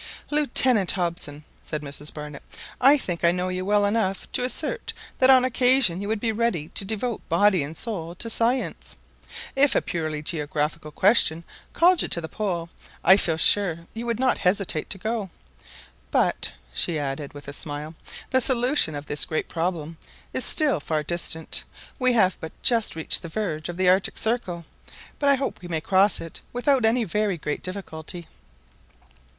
"Lieutenant Hobson," said Mrs Barnett, "I think I know you well enough to assert that on occasion you would be ready to devote body and soul to science. If a purely geographical question called you to the Pole, I feel sure you would not hesitate to go. But," she added, with a smile, "the solution of this great problem is still far distant. We have but just reached the verge of the Arctic Circle, but I hope we may cross it without any very great difficulty."